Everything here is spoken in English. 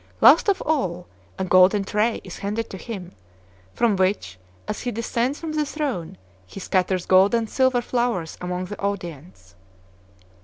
Last of all, a golden tray is handed to him, from which, as he descends from the throne, he scatters gold and silver flowers among the audience.